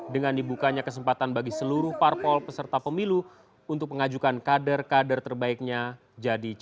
dengan dibukanya kesempatan bagi seluruh parpol peserta pemilu untuk mengajukan kader kader terbaiknya